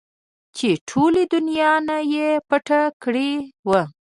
چې ټولې دونيا نه يې پټه کړې وه.